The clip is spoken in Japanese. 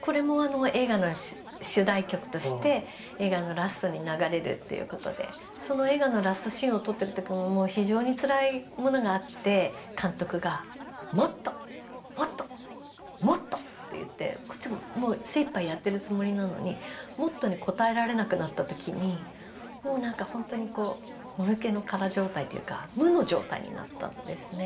これも映画の主題曲として映画のラストに流れるということでその映画のラストシーンを撮ってる時もう非常につらいものがあって監督が「もっと！もっと！もっと！」って言ってこっちも精一杯やってるつもりなのに「もっと」に応えられなくなった時にもうほんとにもぬけの殻状態というか無の状態になったんですね。